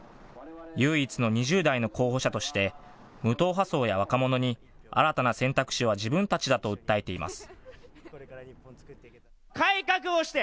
唯一の２０代の候補者として無党派層や若者に新たな選択肢は自分たちだと訴えています。